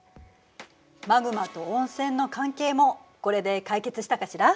マグマと温泉の関係もこれで解決したかしら？